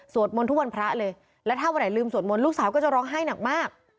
มนต์ทุกวันพระเลยและถ้าวันไหนลืมสวดมนต์ลูกสาวก็จะร้องไห้หนักมาก